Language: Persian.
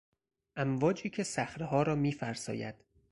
امواجی که صخرهها را میفرساید